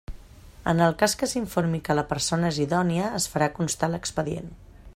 En el cas que s'informi que la persona és idònia es farà constar a l'expedient.